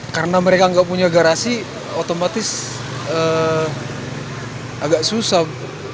karena mereka gak punya garasi otomatis agak susah